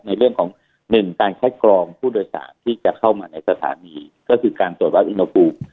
ในเรื่องของ๑การคัดกรองผู้โดยสารที่จะเข้ามาในสถานีก็คือการตรวจวัดอุณหภูมิ